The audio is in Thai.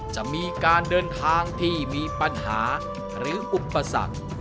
จะมีการเดินทางที่มีปัญหาหรืออุปสรรค